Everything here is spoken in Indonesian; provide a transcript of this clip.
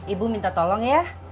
ibu minta tolong ya